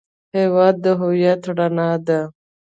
هېواد د هویت رڼا ده.